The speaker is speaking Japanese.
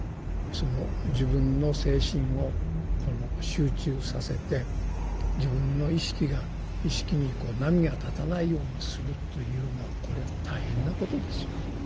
その自分の精神を集中させて自分の意識に波が立たないようにするというのはこれは大変なことですよ。